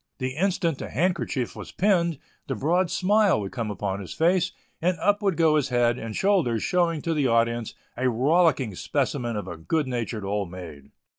The instant the handkerchief was pinned, the broad smile would come upon his face, and up would go his head and shoulders showing to the audience a rollicking specimen of a good natured old maid.